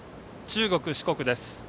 中国・四国です。